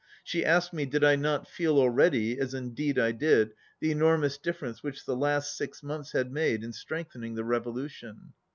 She asked me, did I not feel already (as indeed I did) the enormous difference which the last six months had made in strengthening the revolution.